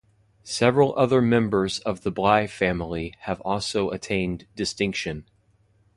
Several other members of the Bligh family have also attained distinction.